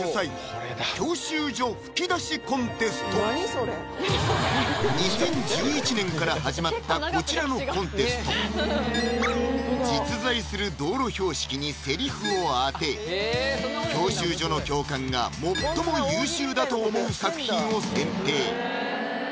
その１２０１１年から始まったこちらのコンテスト実在する道路標識にセリフを当て教習所の教官が最も優秀だと思う作品を選定